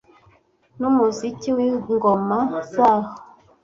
n'umuziki w'ingoma zaho